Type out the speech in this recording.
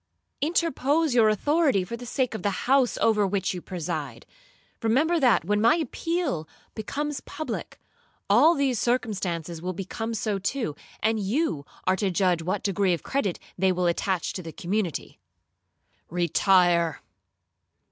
Interpose your authority for the sake of the house over which you preside. Remember that, when my appeal becomes public, all these circumstances will become so to, and you are to judge what degree of credit they will attach to the community.' 'Retire!'